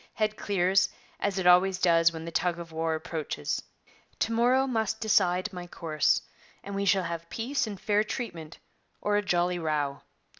Head clears, as it always does when the tug of war approaches. To morrow must decide my course, and we shall have peace and fair treatment, or a jolly row.